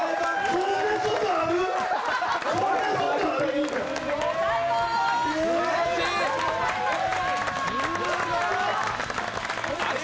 こんなことある？